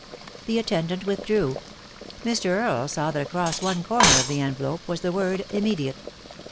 The attendant withdrew. Mr. Earle saw that across one corner of the envelope was the word " Immediate."